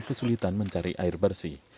kesulitan mencari air bersih